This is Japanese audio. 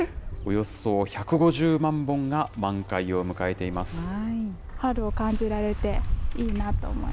およそ１５０万本が満開を迎えています。